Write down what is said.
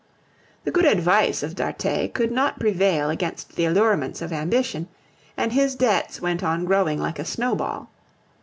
The good advice of d'Arthez could not prevail against the allurements of ambition, and his debts went on growing like a snowball.